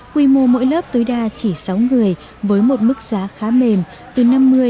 quy mô mỗi lớp tối đa chỉ sáu người với một mức giá khá mềm từ năm mươi cho đến sáu mươi đồng một buổi